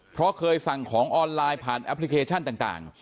เพราะเคยสั่งของออนไลน์ผ่านแอปพลิเคชันต่าง